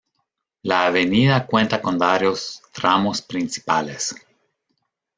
La avenida cuenta con varios tramos principales.